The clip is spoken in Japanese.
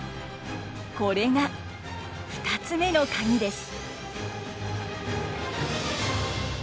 これが２つ目のカギです。